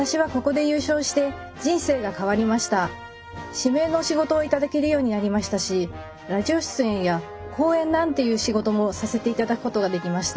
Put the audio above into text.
指名の仕事を頂けるようになりましたしラジオ出演や講演なんていう仕事もさせて頂くことができました。